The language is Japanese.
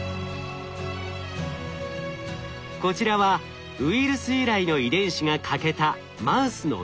こちらはウイルス由来の遺伝子が欠けたマウスの脳の画像。